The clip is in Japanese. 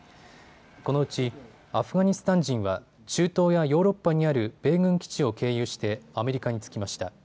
このうちアフガニスタン人は中東やヨーロッパにある米軍基地を経由してアメリカに着きました。